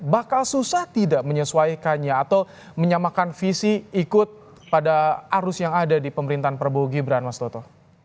bakal susah tidak menyesuaikannya atau menyamakan visi ikut pada arus yang ada di pemerintahan prabowo gibran mas toto